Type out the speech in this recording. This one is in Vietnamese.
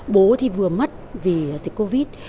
bố thì vừa mất vì dịch covid